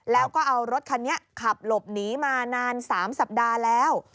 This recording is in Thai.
แล้วก็เอารถคันนี้ขับหลบหนีมานาน๓สัปดาห์แล้ว